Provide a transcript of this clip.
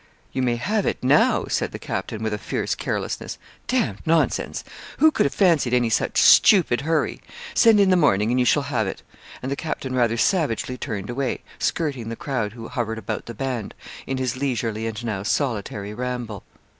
'You may have it now,' said the captain, with a fierce carelessness. 'D d nonsense! Who could have fancied any such stupid hurry? Send in the morning, and you shall have it.' And the captain rather savagely turned away, skirting the crowd who hovered about the band, in his leisurely and now solitary ramble.